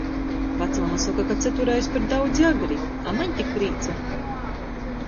Vacmama soka, ka cytureiz par daudzi agri, a maņ tik prīca!